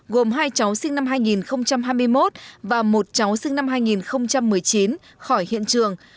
gồm hai cháu sinh năm hai nghìn hai mươi một và một cháu sinh năm hai nghìn một mươi chín khỏi hiện trường